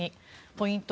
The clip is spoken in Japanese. ポイント